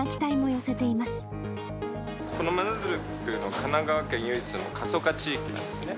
この真鶴っていうのは、神奈川県唯一の過疎化地域なんですね。